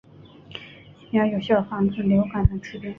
疫苗有效防止流感等疾病。